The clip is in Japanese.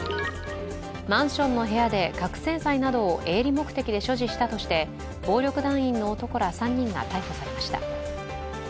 マンションの部屋で覚醒剤などを営利目的で所持したとして暴力団員の男ら３人が逮捕されました。